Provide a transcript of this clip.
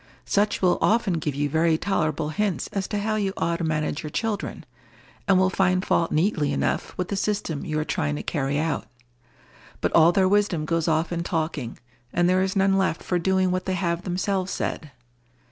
Such will often give you very tolerable hints as to how you ought to manage your children, and will find fault neatly enough with the system you are trying to carry out; but all their wisdom goes off in talking, and there is none left for doing what they have themselves said.